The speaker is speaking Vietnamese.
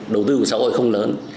đầu tư của xã hội không lớn